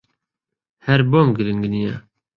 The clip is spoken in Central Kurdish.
ھەر بۆم گرنگ نییە.